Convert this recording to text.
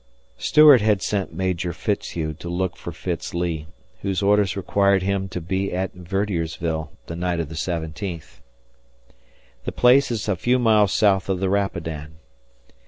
Stuart had sent Major Fitzhugh to look for Fitz Lee, whose orders required him to be at Verdiersville the night of the seventeenth. The place is a few miles south of the Rapidan.